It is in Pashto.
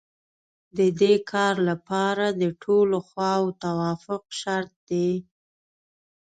د دې کار لپاره د ټولو خواوو توافق شرط دی